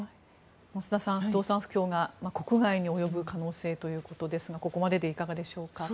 増田さん、不動産不況が国内に及ぶ可能性ということでここまででいかがでしょうか？